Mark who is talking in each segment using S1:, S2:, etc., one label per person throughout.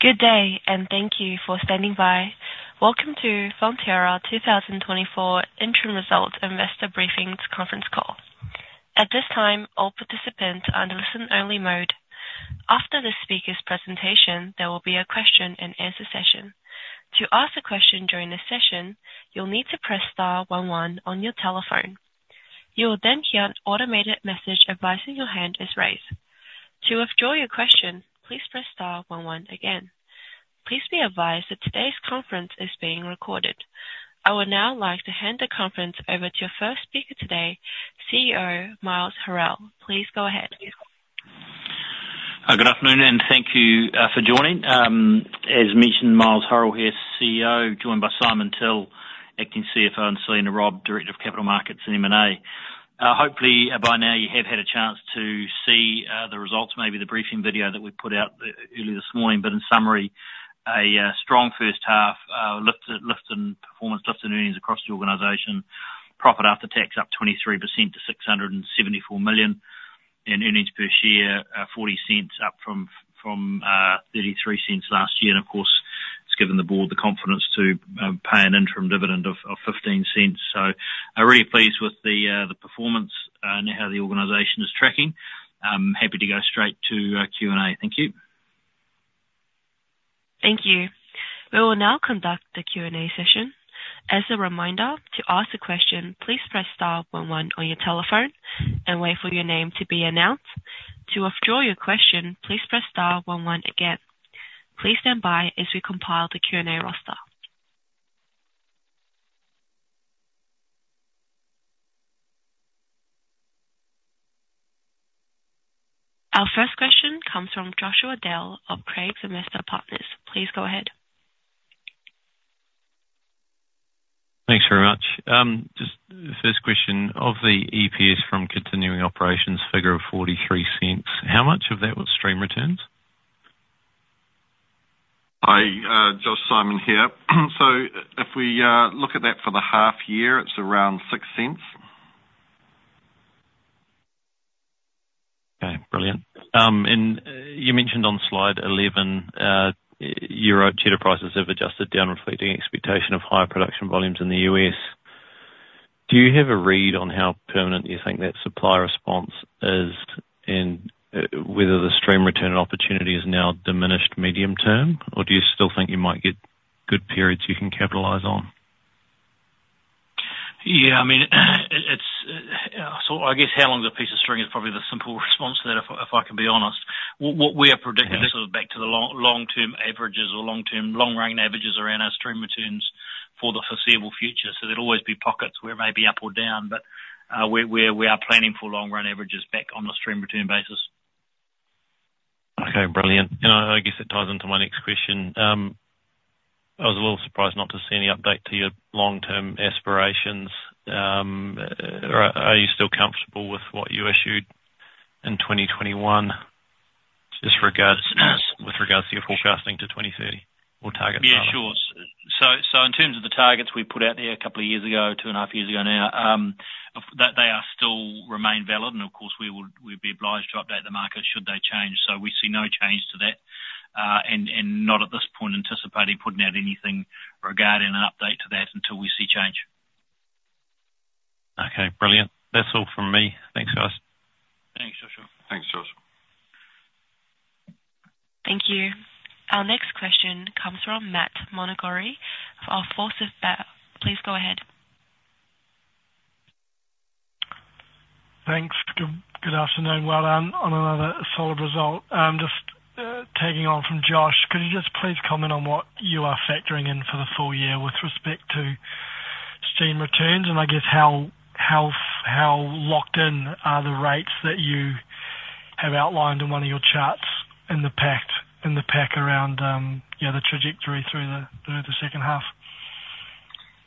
S1: Good day, and thank you for standing by. Welcome to Fonterra 2024 Interim Results Investor Briefings Conference Call. At this time, all participants are in listen-only mode. After the speaker's presentation, there will be a question-and-answer session. To ask a question during this session, you'll need to press star one one on your telephone. You will then hear an automated message advising your hand is raised. To withdraw your question, please press star one one again. Please be advised that today's conference is being recorded. I would now like to hand the conference over to your first speaker today, CEO Miles Hurrell. Please go ahead.
S2: Good afternoon, and thank you for joining. As mentioned, Miles Hurrell here, CEO, joined by Simon Till, Acting CFO, and Selena Robb, Director of Capital Markets and M&A. Hopefully, by now you have had a chance to see the results, maybe the briefing video that we put out early this morning. In summary, strong first half, lift in performance, lift in earnings across the organization. Profit after tax up 23% to 674 million, and earnings per share 0.40, up from 0.33 last year. Of course, it's given the board the confidence to pay an interim dividend of 0.15. So I'm really pleased with the performance, and how the organization is tracking. I'm happy to go straight to Q&A. Thank you.
S1: Thank you. We will now conduct the Q&A session. As a reminder, to ask a question, please press star one one on your telephone and wait for your name to be announced. To withdraw your question, please press star one one again. Please stand by as we compile the Q&A roster. Our first question comes from Joshua Dale of Craigs Investment Partners. Please go ahead.
S3: Thanks very much. Just the first question: of the EPS from continuing operations, figure of 0.43, how much of that was stream returns?
S4: Hi, Josh, Simon here. So if we look at that for the half year, it's around 0.06.
S3: Okay, brilliant. And you mentioned on slide 11, European cheddar prices have adjusted down, reflecting expectation of higher production volumes in the U.S., do you have a read on how permanent you think that supplier response is, and whether the stream return opportunity is now diminished medium term? Or do you still think you might get good periods you can capitalize on?
S2: Yeah, I mean, it's... So I guess how long is a piece of string is probably the simple response to that, if I can be honest. What we are predicting, this is back to the long, long-term averages or long-term, long-run averages around our stream returns for the foreseeable future. So there'll always be pockets where it may be up or down, but we are planning for long-run averages back on a stream return basis.
S3: Okay, brilliant. I guess it ties into my next question. I was a little surprised not to see any update to your long-term aspirations. Are you still comfortable with what you issued in 2021, with regards to your forecasting to 2030 or targets?
S2: Yeah, sure. So, so in terms of the targets we put out there a couple of years ago, two and a half years ago now, that, they are still remain valid, and of course, we'd be obliged to update the market should they change. So we see no change to that, and not at this point, anticipating putting out anything regarding an update to that until we see change.
S3: Okay, brilliant. That's all from me. Thanks, guys.
S2: Thanks, Joshua.
S4: Thanks, Josh.
S1: Thank you. Our next question comes from Matt Montgomerie of Forsyth Barr. Please go ahead.
S5: Thanks. Good afternoon. Well, on another solid result, just tagging on from Josh, could you just please comment on what you are factoring in for the full year with respect to stream returns? And I guess how locked in are the rates that you have outlined in one of your charts in the pack around, yeah, the trajectory through the second half?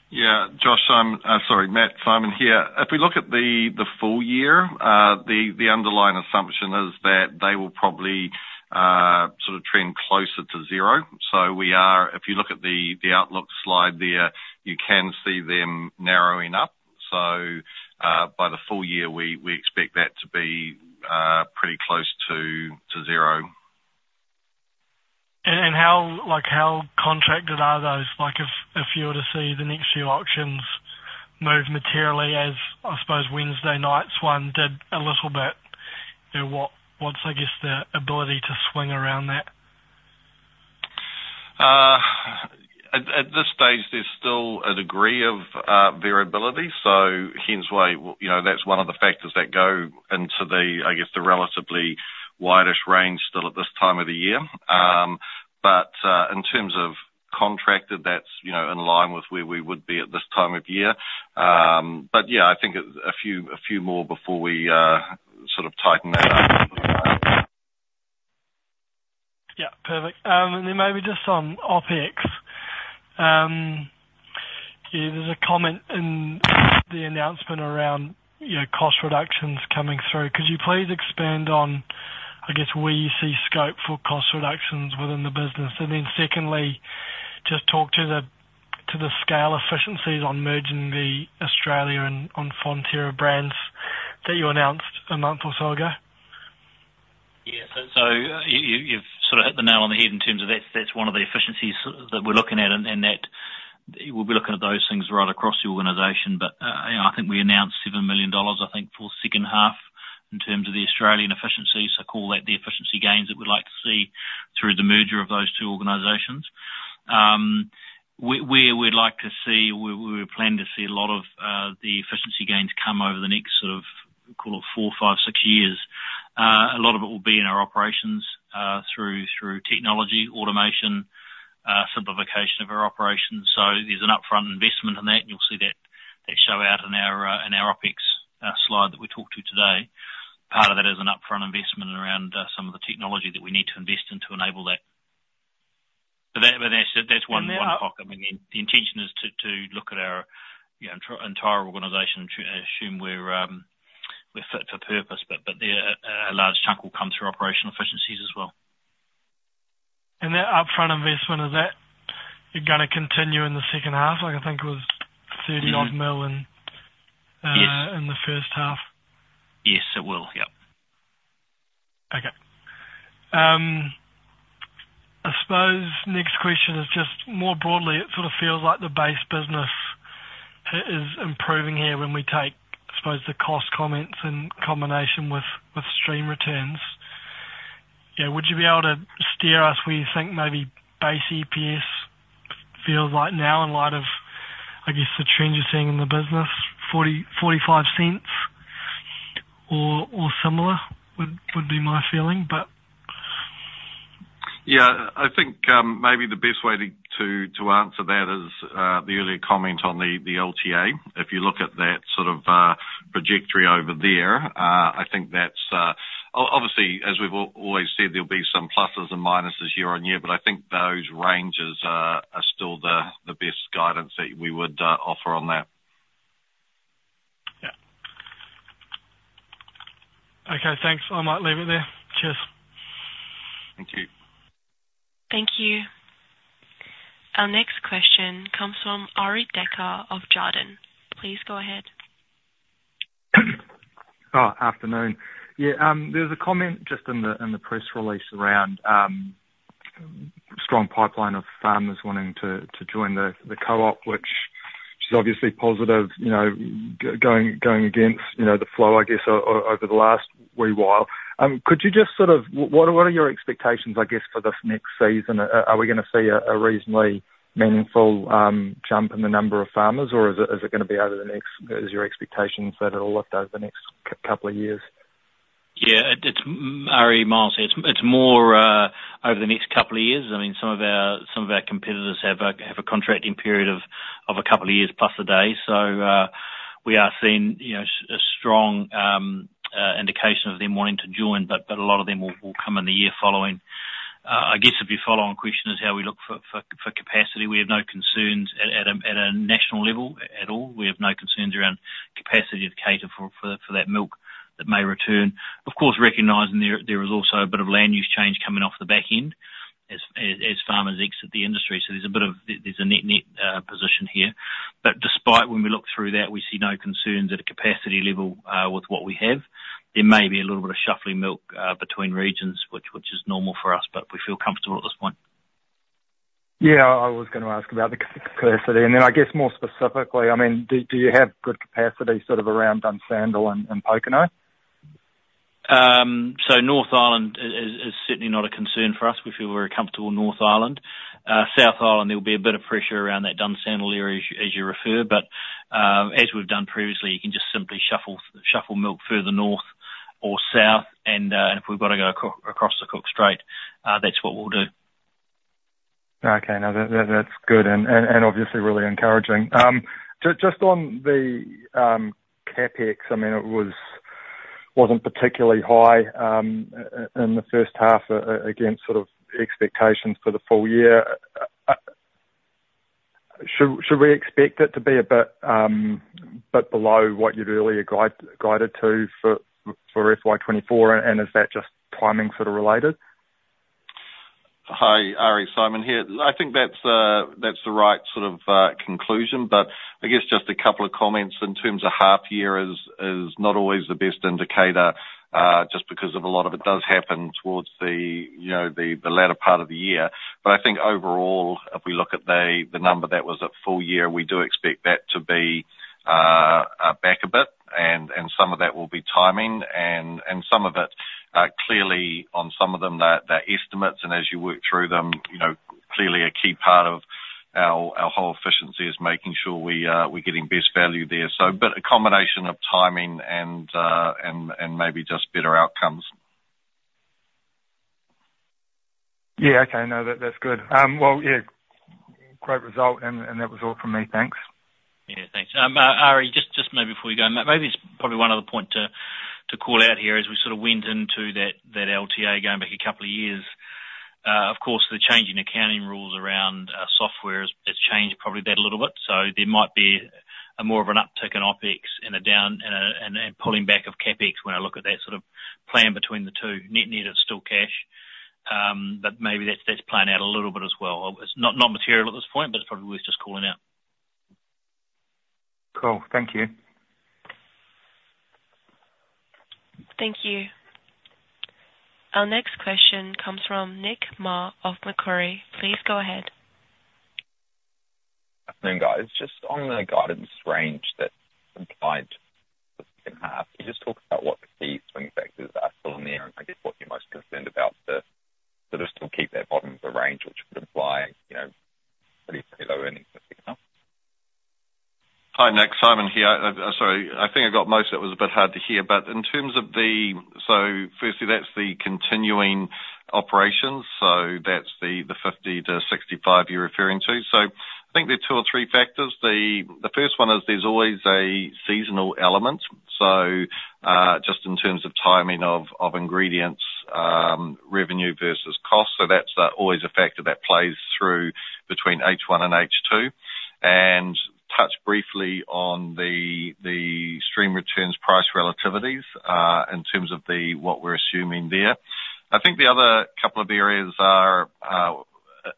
S4: Yeah. Josh, I'm... sorry, Matt, Simon here. If we look at the full year, the underlying assumption is that they will probably sort of trend closer to zero. So we are. If you look at the outlook slide there, you can see them narrowing up. So, by the full year, we expect that to be pretty close to zero.
S5: And how, like, how contracted are those? Like, if you were to see the next few auctions move materially, as I suppose Wednesday night's one did a little bit, you know, what's, I guess, the ability to swing around that?
S4: At this stage, there's still a degree of variability, so hence why, you know, that's one of the factors that go into the, I guess, the relatively wide-ish range still at this time of the year. But in terms of contracted, that's, you know, in line with where we would be at this time of year. But yeah, I think a few more before we sort of tighten that up.
S5: Yeah, perfect. And then maybe just on OpEx. Yeah, there's a comment in the announcement around, you know, cost reductions coming through. Could you please expand on, I guess, where you see scope for cost reductions within the business? And then secondly, just talk to the scale efficiencies on merging the Australia and Fonterra brands that you announced a month or so ago.
S2: Yeah. So you've sort of hit the nail on the head in terms of that's one of the efficiencies that we're looking at, and that we'll be looking at those things right across the organization. But, you know, I think we announced 7 million dollars, I think, for second half in terms of the Australian efficiencies. So call that the efficiency gains that we'd like to see through the merger of those two organizations. Where we'd like to see, where we plan to see a lot of the efficiency gains come over the next sort of, call it four, five, six years, a lot of it will be in our operations through technology, automation, simplification of our operations. So there's an upfront investment in that, and you'll see that show out in our OpEx slide that we talked to today. Part of that is an upfront investment around some of the technology that we need to invest in to enable that. But that's one clock, I mean, the intention is to look at our, you know, entire organization and assume we're fit for purpose. But yeah, a large chunk will come through operational efficiencies as well.
S5: That upfront investment, is that gonna continue in the second half? Like, I think it was 30-odd million in-
S2: Yes.
S5: - in the first half.
S2: Yes, it will. Yep.
S5: Okay. I suppose next question is just more broadly, it sort of feels like the base business is improving here when we take, I suppose, the cost comments in combination with stream returns. Yeah, would you be able to steer us where you think maybe base EPS feels like now in light of, I guess, the trends you're seeing in the business, 0.40-0.45 or similar would be my feeling, but-
S4: Yeah, I think maybe the best way to answer that is the earlier comment on the LTA. If you look at that sort of trajectory over there, I think that's obviously, as we've always said, there'll be some pluses and minuses year-on-year, but I think those ranges are still the best guidance that we would offer on that.
S5: Yeah. Okay, thanks. I might leave it there. Cheers.
S2: Thank you.
S1: Thank you. Our next question comes from Arie Dekker of Jarden. Please go ahead.
S6: Afternoon. There was a comment just in the press release around strong pipeline of farmers wanting to join the co-op, which is obviously positive, you know, going against, you know, the flow, I guess, over the last wee while. Could you just sort of... What are your expectations, I guess, for this next season? Are we gonna see a reasonably meaningful jump in the number of farmers, or is it gonna be over the next, is your expectations that it'll look over the next couple of years?
S2: Yeah, it's Arie, Miles here. It's more over the next couple of years. I mean, some of our competitors have a contracting period of a couple of years plus a day. So, we are seeing, you know, a strong indication of them wanting to join, but a lot of them will come in the year following. I guess if your follow-on question is how we look for capacity, we have no concerns at a national level at all. We have no concerns around capacity to cater for that milk that may return. Of course, recognizing there is also a bit of land use change coming off the back end as farmers exit the industry. So there's a bit of... There, there's a net-net position here. But despite when we look through that, we see no concerns at a capacity level, with what we have. There may be a little bit of shuffling milk between regions, which is normal for us, but we feel comfortable at this point.
S6: Yeah, I was gonna ask about the capacity, and then I guess more specifically, I mean, do you have good capacity sort of around Dunsandel and Pōkeno?
S2: So North Island is certainly not a concern for us. We feel very comfortable North Island. South Island, there will be a bit of pressure around that Dunsandel area as you refer, but as we've done previously, you can just simply shuffle milk further north or south, and if we've got to go across the Cook Strait, that's what we'll do.
S6: Okay, now, that's good and obviously really encouraging. Just on the CapEx, I mean, it wasn't particularly high in the first half against sort of expectations for the full year. Should we expect it to be a bit below what you'd earlier guided to for FY 2024 and is that just timing sort of related?
S4: Hi, Arie, Simon here. I think that's the right sort of conclusion, but I guess just a couple of comments in terms of half year is not always the best indicator, just because a lot of it does happen towards the, you know, the latter part of the year. But I think overall, if we look at the number that was at full year, we do expect that to be back a bit, and some of that will be timing, and some of it clearly on some of them, they're estimates, and as you work through them, you know, clearly a key part of our whole efficiency is making sure we're getting best value there. So but a combination of timing and maybe just better outcomes.
S6: Yeah, okay. No, that, that's good. Well, yeah, great result, and that was all from me. Thanks.
S2: Yeah, thanks. Arie, just maybe before you go, maybe just probably one other point to call out here as we sort of went into that LTA, going back a couple of years. Of course, the change in accounting rules around software change probably that a little bit. So there might be a more of an uptick in OpEx and a down, and pulling back of CapEx when I look at that sort of plan between the two. Net-net, it's still cash, but maybe that's playing out a little bit as well. It's not material at this point, but it's probably worth just calling out.
S6: Cool. Thank you.
S1: Thank you. Our next question comes from Nick Mar of Macquarie. Please go ahead.
S7: Good afternoon, guys. Just on the guidance range that's implied in half, can you just talk about what the key swing factors are still in there, and I guess what you're most concerned about to sort of still keep that bottom of the range, which would imply, you know, pretty, pretty low earnings for enough?
S4: Hi, Nick, Simon here. Sorry, I think I got most of it. It was a bit hard to hear. But in terms of the. So firstly, that's the continuing operations, so that's the 50-65 you're referring to. So I think there are two or three factors. The first one is there's always a seasonal element, so just in terms of timing of ingredients revenue versus cost. So that's always a factor that plays through between H1 and H2. And touch briefly on the stream returns, price relativities in terms of the what we're assuming there. I think the other couple of areas are,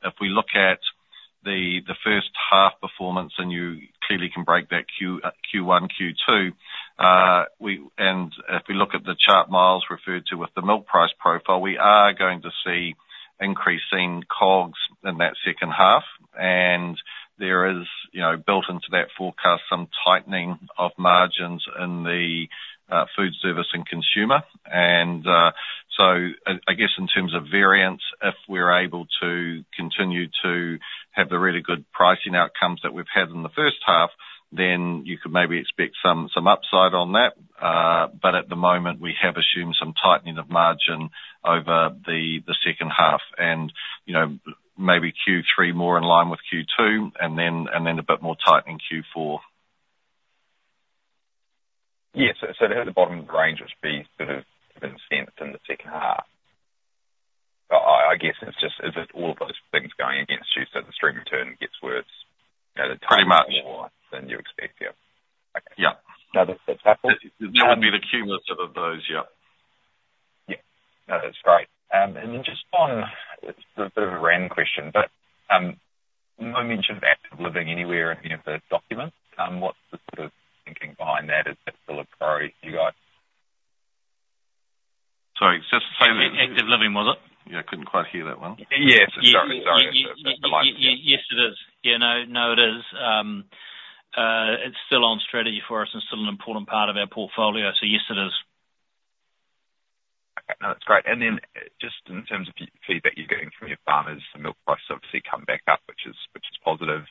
S4: if we look at the first half performance, and you clearly can break that Q1, Q2, and if we look at the chart Miles referred to with the milk price profile, we are going to see increasing COGS in that second half, and there is, you know, built into that forecast, some tightening of margins in the food service and consumer. And, so I guess in terms of variance, if we're able to continue to have the really good pricing outcomes that we've had in the first half, then you could maybe expect some upside on that. But at the moment, we have assumed some tightening of margin over the second half and, you know, maybe Q3 more in line with Q2, and then a bit more tightening in Q4.
S7: Yes, so at the bottom of the range, which we've sort of been seeing in the second half. I guess it's just... Is it all of those things going against you, so the stream return gets worse, you know, the-
S4: Pretty much.
S7: More than you expect? Yeah. Okay.
S4: Yeah.
S7: No, that's, that's happened.
S4: That would be the key list of those, yeah.
S7: Yeah. No, that's great. And then just one, it's a bit of a random question, but, no mention of Active Living anywhere in any of the documents. What's the sort of thinking behind that? Is that still a priority for you guys?
S4: Sorry, just say that-
S2: Active Living, was it?
S4: Yeah, I couldn't quite hear that well.
S7: Yes, sorry. Sorry, the mic-
S2: Yes, it is. Yeah, no, no, it is. It's still on strategy for us and still an important part of our portfolio, so yes, it is.
S7: Okay. No, that's great. And then just in terms of feedback you're getting from your farmers, the milk prices obviously come back up, which is positive.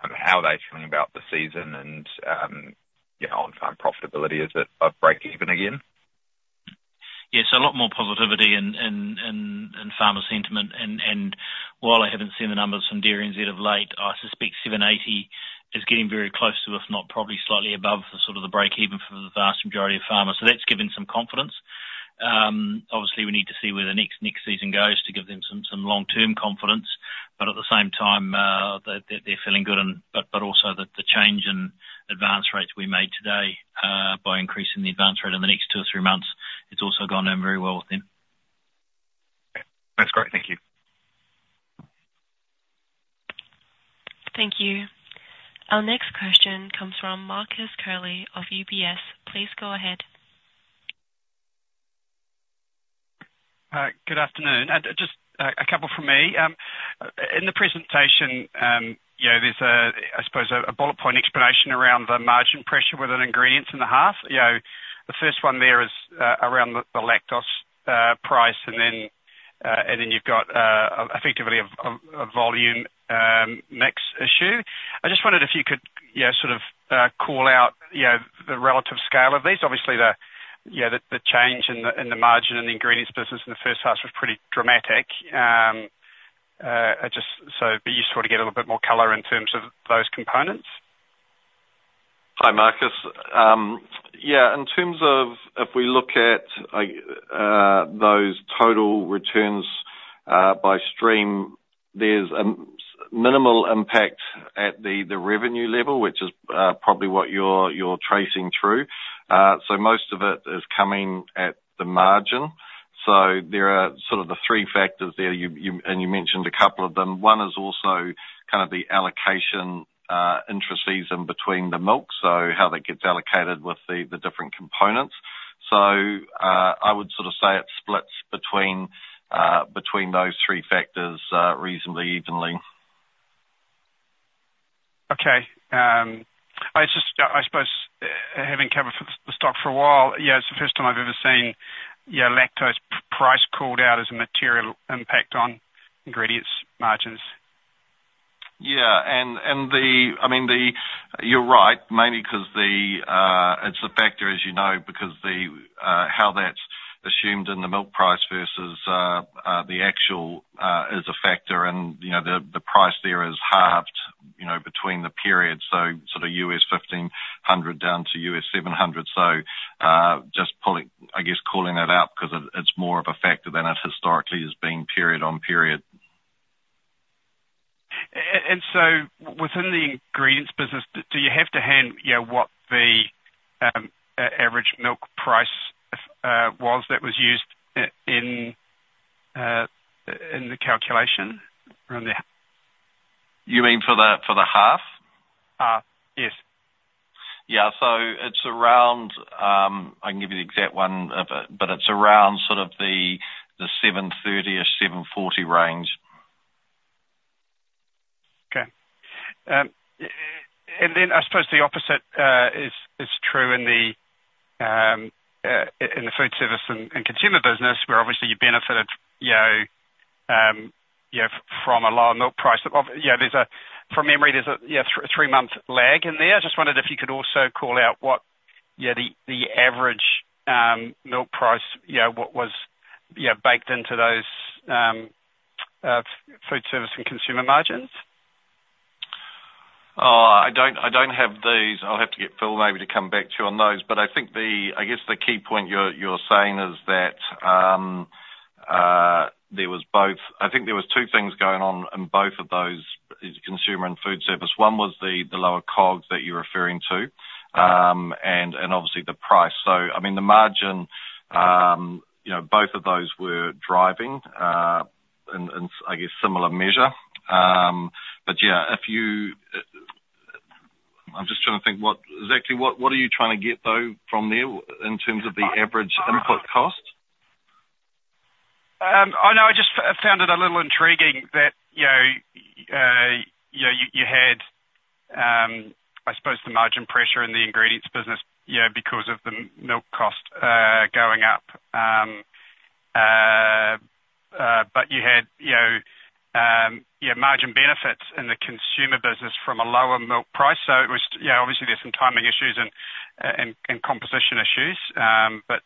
S7: How are they feeling about the season and, you know, on-farm profitability? Is it above breakeven again?
S2: Yes, a lot more positivity in farmer sentiment. And while I haven't seen the numbers from DairyNZ of late, I suspect 7.80 is getting very close to, if not probably slightly above, the sort of the breakeven for the vast majority of farmers. So that's given some confidence. Obviously, we need to see where the next season goes to give them some long-term confidence, but at the same time, they're feeling good and. But also the change in advance rates we made today, by increasing the advance rate in the next two or three months, it's also gone down very well with them.
S7: Okay. That's great. Thank you.
S1: Thank you. Our next question comes from Marcus Curley of UBS. Please go ahead.
S8: Good afternoon. Just a couple from me. In the presentation, you know, there's a, I suppose, a bullet point explanation around the margin pressure within ingredients in the half. You know, the first one there is around the lactose price, and then you've got effectively a volume mix issue. I just wondered if you could, yeah, sort of call out, you know, the relative scale of these. Obviously, you know, the change in the margin in the ingredients business in the first half was pretty dramatic. So it'd be useful to get a little bit more color in terms of those components.
S4: Hi, Marcus. Yeah, in terms of if we look at, those total returns, by stream, there's, minimal impact at the, the revenue level, which is, probably what you're, you're tracing through. So most of it is coming at the margin. So there are sort of the three factors there, you, you, and you mentioned a couple of them. One is also kind of the allocation, intraseason between the milk, so how that gets allocated with the, the different components. So, I would sort of say it splits between, between those three factors, reasonably evenly.
S8: Okay, I just, I suppose, having covered the stock for a while, yeah, it's the first time I've ever seen, yeah, lactose price called out as a material impact on ingredients margins.
S4: Yeah, and the... I mean, the-- You're right, mainly 'cause the, it's a factor, as you know, because the, how that's assumed in the milk price versus, the actual, is a factor. And, you know, the, the price there is halved, you know, between the periods, so sort of $1,500 down to $700. So, just pulling-- I guess, calling that out, 'cause it, it's more of a factor than it historically has been period on period....
S8: and so within the ingredients business, do you have to hand, you know, what the average milk price was that was used in the calculation around the-
S4: You mean for the half?
S8: Uh, yes.
S4: Yeah. So it's around, I can give you the exact one of it, but it's around sort of the 7.30 or 7.40 range.
S8: Okay. And then I suppose the opposite is true in the food service and consumer business, where obviously you benefited, you know, you know, from a lower milk price. Yeah, from memory, there's a three-month lag in there. I just wondered if you could also call out what, yeah, the average milk price, you know, what was baked into those food service and consumer margins?
S4: I don't, I don't have these. I'll have to get Phil maybe to come back to you on those. But I think the, I guess the key point you're saying is that there was both. I think there was two things going on in both of those, is consumer and food service. One was the lower COGS that you're referring to, and obviously the price. So I mean, the margin, you know, both of those were driving in, I guess, similar measure. But yeah, if you, I'm just trying to think what exactly what are you trying to get, though, from there in terms of the average input cost?
S8: Oh, no, I just found it a little intriguing that, you know, you know, you had, I suppose the margin pressure in the ingredients business, you know, because of the milk cost going up. But you had, you know, yeah, margin benefits in the consumer business from a lower milk price. So it was, you know, obviously there's some timing issues and and composition issues. But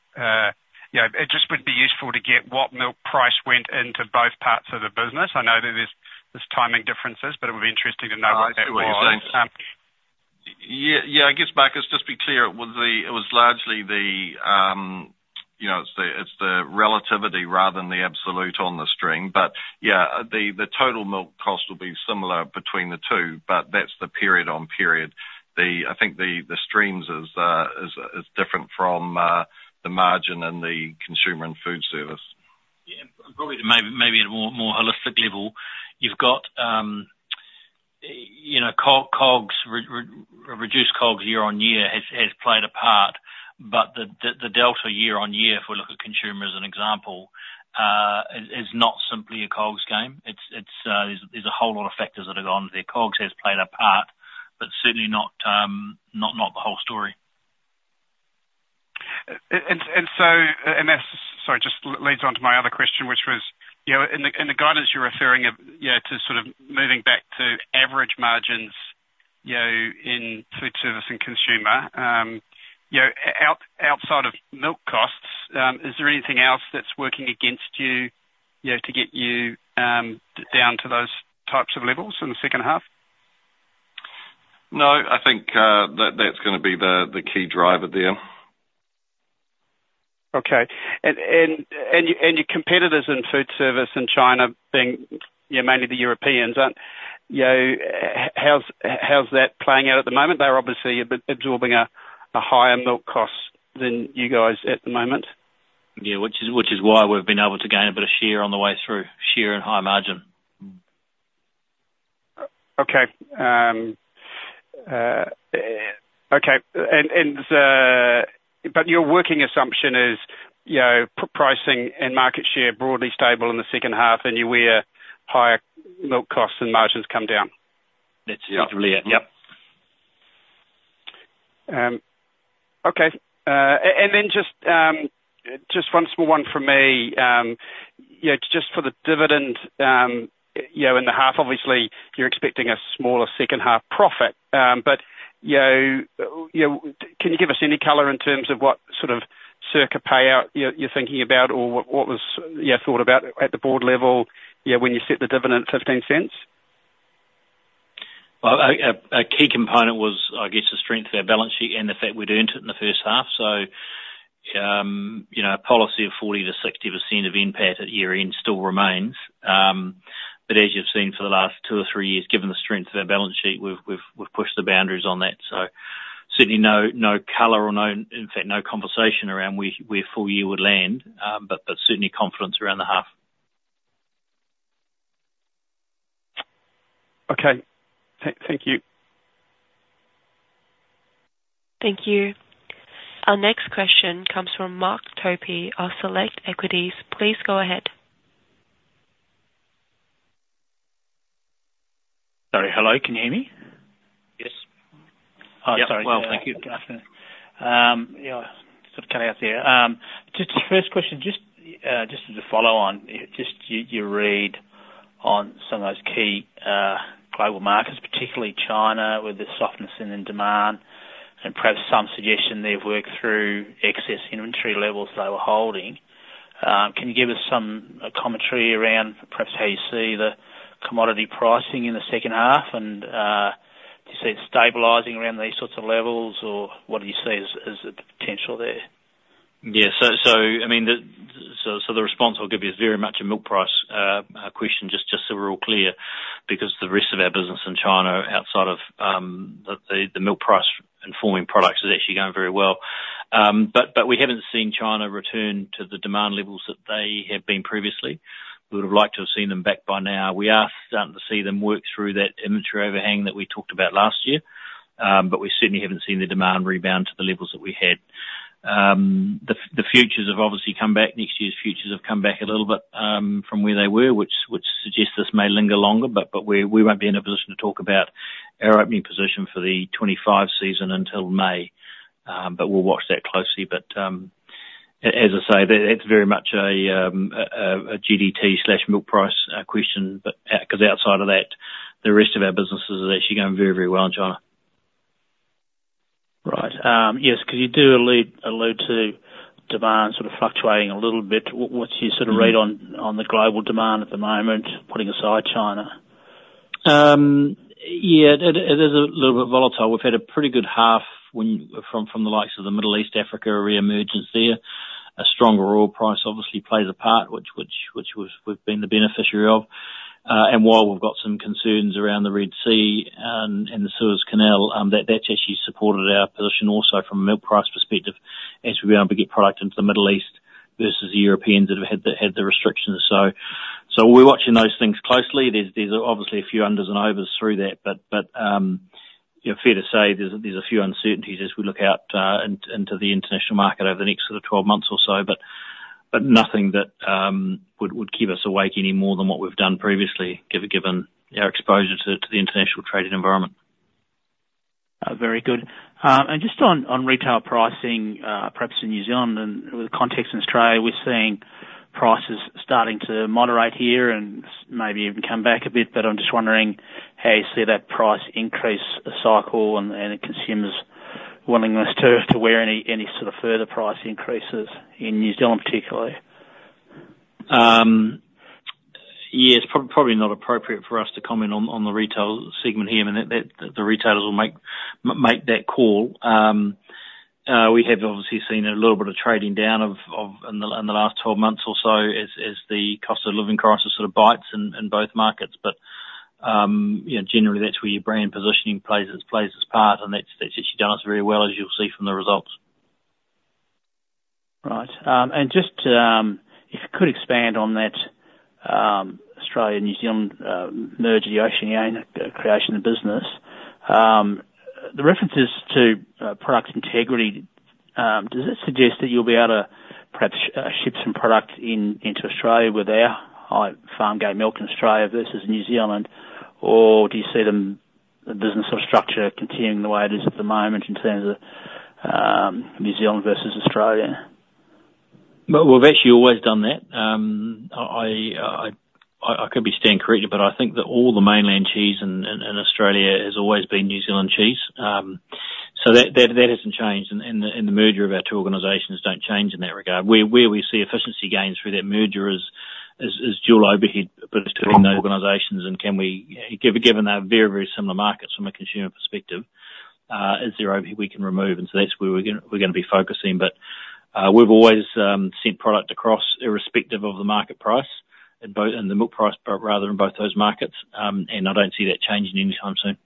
S8: you know, it just would be useful to get what milk price went into both parts of the business. I know that there's timing differences, but it would be interesting to know what that was.
S4: Yeah. Yeah, I guess, Marcus, just be clear, it was largely the, you know, it's the, it's the relativity rather than the absolute on the stream. But yeah, the total milk cost will be similar between the two, but that's the period-on-period. I think the streams is different from the margin in the Consumer and Foodservice.
S2: Yeah, and probably maybe at a more holistic level, you've got, you know, COGS, reduced COGS year-on-year has played a part, but the delta year-on-year, if we look at Consumer as an example, is not simply a COGS game. It's, there's a whole lot of factors that have gone there. COGS has played a part, but certainly not the whole story.
S8: And that's— Sorry, just leads on to my other question, which was, you know, in the guidance you're referring, you know, to sort of moving back to average margins, you know, in food service and consumer, you know, outside of milk costs, is there anything else that's working against you, you know, to get you down to those types of levels in the second half?
S4: No, I think that that's gonna be the key driver there.
S8: Okay. And your competitors in food service in China being, you know, mainly the Europeans, aren't... You know, how's that playing out at the moment? They're obviously a bit absorbing a higher milk cost than you guys at the moment.
S2: Yeah, which is, which is why we've been able to gain a bit of share on the way through, share and higher margin.
S8: Okay. But your working assumption is, you know, pricing and market share broadly stable in the second half, and you bear higher milk costs and margins come down?
S2: That's usually it, yep.
S8: Okay. And then just, just one small one from me. You know, just for the dividend, you know, in the half, obviously you're expecting a smaller second half profit. But, you know, you know, can you give us any color in terms of what sort of circa payout you're, you're thinking about, or what, what was, you know, thought about at the board level, you know, when you set the dividend 0.15?
S2: Well, a key component was, I guess, the strength of our balance sheet and the fact we'd earned it in the first half. So, you know, a policy of 40%-60% of NPAT at year-end still remains. But as you've seen for the last two or three years, given the strength of our balance sheet, we've pushed the boundaries on that. So certainly no color or, in fact, no conversation around where full year would land, but certainly confidence around the half.
S8: Okay. Thank you.
S1: Thank you. Our next question comes from Mark Topy of Select Equities. Please go ahead.
S9: Sorry, hello, can you hear me?
S2: Yes.
S9: Oh, sorry.
S2: Well, thank you.
S9: Yeah, sort of cut out there. Just first question, just as a follow-on, you read on some of those key global markets, particularly China, with the softness in the demand, and perhaps some suggestion they've worked through excess inventory levels they were holding. Can you give us some commentary around perhaps how you see the commodity pricing in the second half? And, do you see it stabilizing around these sorts of levels, or what do you see as, as the potential there?
S2: Yeah, I mean, the response I'll give you is very much a milk price question, just so we're all clear, because the rest of our business in China, outside of the milk price and Fonterra products, is actually going very well. But we haven't seen China return to the demand levels that they have been previously. We would've liked to have seen them back by now. We are starting to see them work through that inventory overhang that we talked about last year, but we certainly haven't seen the demand rebound to the levels that we had. The futures have obviously come back. Next year's futures have come back a little bit from where they were, which suggests this may linger longer, but we won't be in a position to talk about our opening position for the 2025 season until May, but we'll watch that closely. But as I say, that's very much a GDT/milk price question, but 'cause outside of that, the rest of our businesses are actually going very, very well in China.
S9: Right. Yes, 'cause you do allude, allude to demand sort of fluctuating a little bit. What's your sort of read on-
S2: Mm-hmm...
S9: on the global demand at the moment, putting aside China?
S2: Yeah, it is a little bit volatile. We've had a pretty good half from the likes of the Middle East, Africa, reemergence there. A stronger oil price obviously plays a part, which we've been the beneficiary of. And while we've got some concerns around the Red Sea and the Suez Canal, that's actually supported our position also from a milk price perspective, as we've been able to get product into the Middle East versus Europeans that have had the restrictions. So we're watching those things closely. There's obviously a few unders and overs through that, but you know, fair to say there's a few uncertainties as we look out into the international market over the next sort of twelve months or so. Nothing that would keep us awake any more than what we've done previously, given our exposure to the international trading environment.
S9: Very good. And just on retail pricing, perhaps in New Zealand and with context in Australia, we're seeing prices starting to moderate here and maybe even come back a bit, but I'm just wondering how you see that price increase cycle and the consumers' willingness to where any sort of further price increases in New Zealand, particularly?
S2: Yeah, it's probably not appropriate for us to comment on the retail segment here, I mean, that- the retailers will make that call. We have obviously seen a little bit of trading down in the last 12 months or so, as the cost of living crisis sort of bites in both markets. But, you know, generally, that's where your brand positioning plays its part, and that's actually done us very well, as you'll see from the results.
S9: Right. And just to, if you could expand on that, Australia-New Zealand merge of the Oceania creation of the business. The references to product integrity, does that suggest that you'll be able to perhaps ship some product in, into Australia, where there are farmgate milk in Australia versus New Zealand? Or do you see the business or structure continuing the way it is at the moment in terms of New Zealand versus Australia?
S2: Well, we've actually always done that. I could be stand corrected, but I think that all the Mainland cheese in Australia has always been New Zealand cheese. So that hasn't changed, and the merger of our two organizations don't change in that regard. Where we see efficiency gains through that merger is dual overhead between those organizations-
S9: Mm-hmm....
S2: and can we, given our very, very similar markets from a consumer perspective, is there anything we can remove? And so that's where we're gonna be focusing. But, we've always sent product across, irrespective of the market price, in both... In the milk price, but rather in both those markets, and I don't see that changing anytime soon.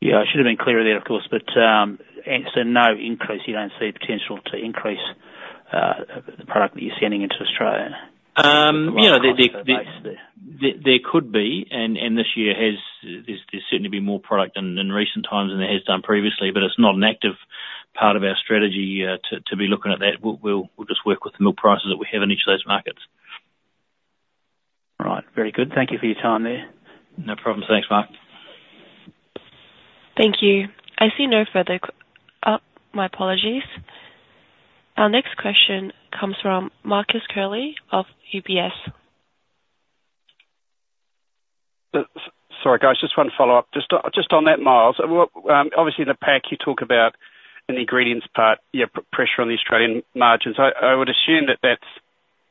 S9: Yeah, I should have been clearer there, of course. But, and so no increase, you don't see potential to increase, the product that you're sending into Australia?
S2: You know, there could be, and this year has, there's certainly been more product in recent times than there has done previously, but it's not an active part of our strategy, to be looking at that. We'll just work with the milk prices that we have in each of those markets.
S9: Right. Very good. Thank you for your time there.
S2: No problem. Thanks, Mark.
S1: Thank you. I see no further. My apologies. Our next question comes from Marcus Curley of UBS.
S8: Sorry, guys, just one follow-up. Just on that, Miles, well, obviously the pack you talk about in the ingredients part, yeah, pressure on the Australian margins. I would assume that that's,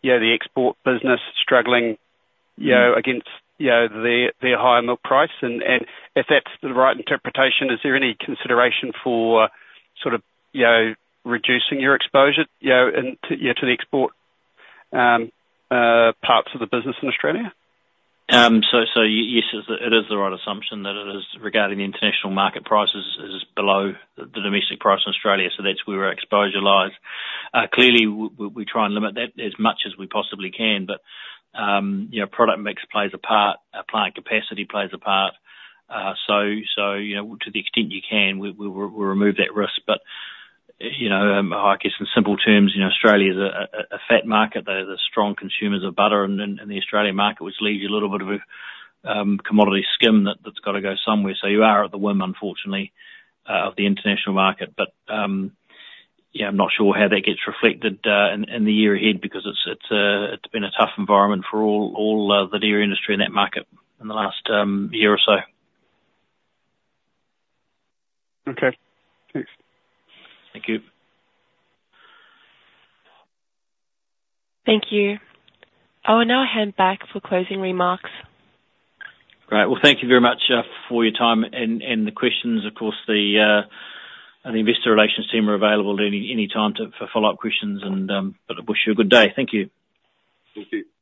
S8: you know, the export business struggling, you know-
S2: Mm-hmm...
S8: against, you know, their higher milk price. And if that's the right interpretation, is there any consideration for sort of, you know, reducing your exposure, you know, and to, yeah, to the export parts of the business in Australia?
S2: Yes, it is the right assumption that it is regarding the international market prices is below the domestic price in Australia, so that's where our exposure lies. Clearly, we try and limit that as much as we possibly can, but you know, product mix plays a part, our plant capacity plays a part. So, you know, to the extent you can, we remove that risk. But, you know, I guess in simple terms, you know, Australia is a fat market. They're the strong consumers of butter in the Australian market, which leaves you a little bit of a commodity skim that's gotta go somewhere. So you are at the whim, unfortunately, of the international market. But, yeah, I'm not sure how that gets reflected in the year ahead, because it's been a tough environment for all the dairy industry in that market in the last year or so.
S8: Okay. Thanks.
S2: Thank you.
S1: Thank you. I will now hand back for closing remarks.
S2: Great. Well, thank you very much for your time and the questions. Of course, the investor relations team are available at any time for follow-up questions. But I wish you a good day. Thank you.
S8: Thank you.